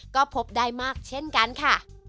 ก็พบได้มากเช่นกันค่ะ